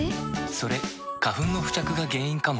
それ花粉の付着が原因かも。